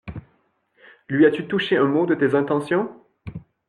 Lui as-tu touché un mot de tes intentions?